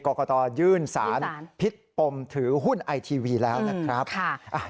กรกตยื่นสารพิษปมถือหุ้นไอทีวีแล้วนะครับ